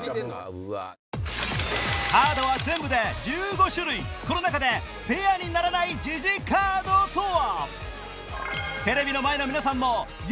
カードは全部で１５種類この中でペアにならないジジカードとは？